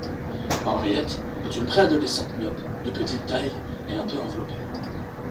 Henriette est une pré-adolescente myope, de petite taille et un peu enveloppée.